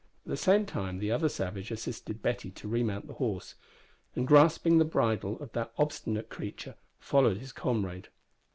At the same time the other savage assisted Betty to remount the horse, and, grasping the bridle of that obstinate creature, followed his comrade.